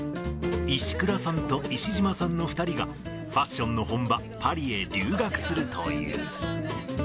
石倉さんと石嶋さんの２人が、ファッションの本場、パリへ留学するという。